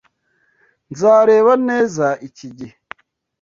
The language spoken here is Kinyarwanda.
Nzareba neza iki gihe.